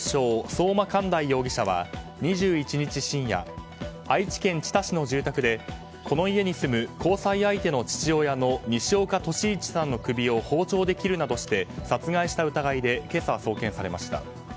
相馬寛大容疑者は２１日深夜愛知県知多市の住宅でこの家に住む、交際相手の父親の西岡歳一さんの首を包丁で切るなどして殺害した疑いで今朝、送検されました。